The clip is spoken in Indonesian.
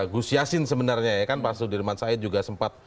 gus yassin sebenarnya ya kan pak sudirman said juga sempat